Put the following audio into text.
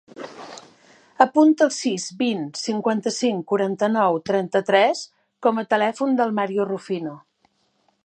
Apunta el sis, vint, cinquanta-cinc, quaranta-nou, trenta-tres com a telèfon del Mario Rufino.